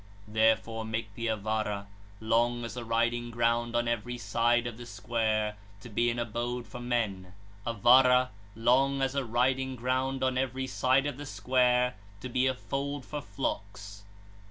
Therefore make thee a Vara, long as a riding ground on every side of the square, to be an abode for men; a Vara, long. as a riding ground on every side of the square, to be a fold for flocks.